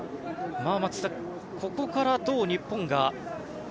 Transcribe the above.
松木さん、ここからどう日本が。